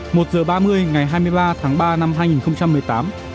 một h ba mươi ngày hai mươi ba tháng ba năm hai nghìn một mươi tám